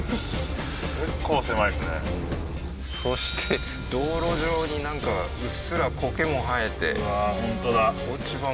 そして道路上になんかうっすら苔も生えてうわー本当だ